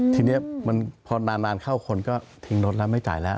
ทีนี้มันพอนานเข้าคนก็ทิ้งรถแล้วไม่จ่ายแล้ว